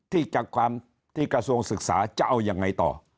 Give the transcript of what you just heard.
จากความที่กระทรวงศึกษาจะเอายังไงต่อ